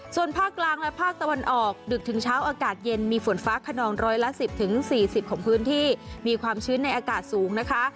ส่วนภาคกลางและภาคตะวันออกดึกถึงเช้าอากาศเย็นมีฝนฟ้าขนองร้อยละ๑๐๔๐ของพื้นที่มีความชื้นในอากาศสูงนะคะ